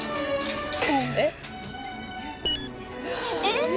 「えっ？」